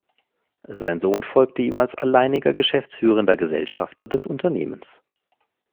Sein Sohn folgte ihm als alleiniger geschäftsführender Gesellschafter des Unternehmens.